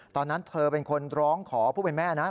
ตอนนั้นเธอเป็นคนร้องขอผู้เป็นแม่นะ